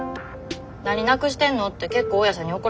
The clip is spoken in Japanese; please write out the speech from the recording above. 何なくしてんのって結構大家さんに怒られたんやけど。